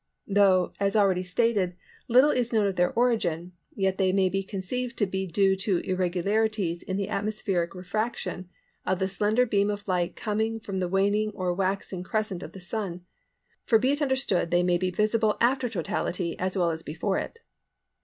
Though, as already stated, little is known of their origin yet they may be conceived to be due to irregularities in the atmospheric refraction of the slender beam of light coming from the waning or the waxing crescent of the Sun, for be it understood they may be visible after totality as well as before it.